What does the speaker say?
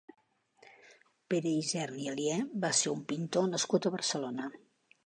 Pere Ysern i Alié va ser un pintor nascut a Barcelona.